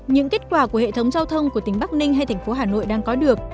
những kết quả của hệ thống giao thông của tỉnh bắc ninh hay thành phố hà nội đang có được